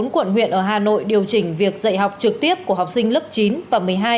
bốn quận huyện ở hà nội điều chỉnh việc dạy học trực tiếp của học sinh lớp chín và một mươi hai